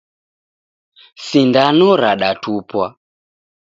Sindano radatupwa